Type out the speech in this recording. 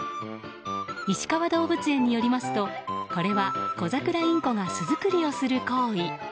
いしかわ動物園によりますとこれは、コザクラインコが巣作りをする行為。